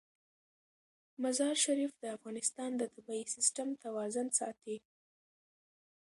مزارشریف د افغانستان د طبعي سیسټم توازن ساتي.